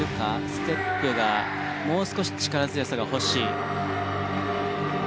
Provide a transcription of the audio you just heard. ステップがもう少し力強さが欲しい。